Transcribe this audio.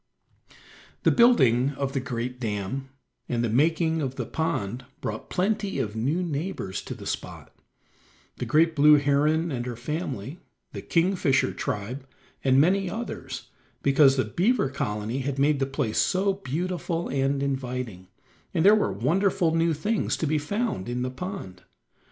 The building of the great dam, and the making of the pond brought plenty of new neighbors to the spot: the great blue heron and her family, the kingfisher tribe, and many others, because the Beaver Colony had made the place so beautiful and inviting, and there were wonderful new things to be found in the pond.